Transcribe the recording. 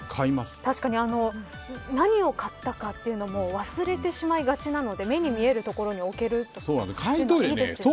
確かに何を買ったかというのも忘れてしまいがちなので目に見える所に置けるというのはね。